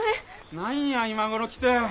何や今頃来て。